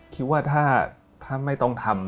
คิดว่าถ้าไม่ต้องทำ